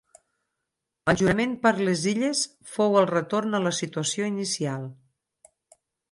El jurament per les Illes fou el retorn a la situació inicial.